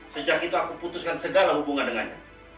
sejak itu aku putuskan segala hubungan dengannya